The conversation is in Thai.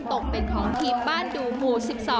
ตกเป็นของทีมบ้านดูหมู่๑๒